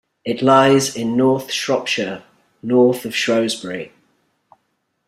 It lies in North Shropshire, north of Shrewsbury.